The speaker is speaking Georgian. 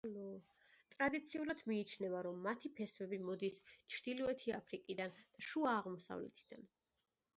ტრადიციულად მიიჩნევა, რომ მათი ფესვები მოდის ჩრდილოეთი აფრიკიდან და შუა აღმოსავლეთიდან.